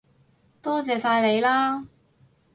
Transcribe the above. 多謝晒你喇